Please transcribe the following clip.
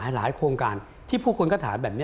หลายโครงการที่ผู้คนก็ถามแบบนี้